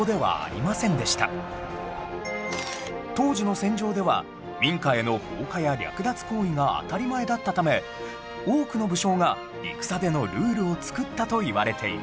当時の戦場では民家への放火や略奪行為が当たり前だったため多くの武将が戦でのルールを作ったといわれています